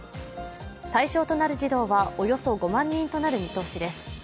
対象となる児童はおよそ５万人となる見通しです。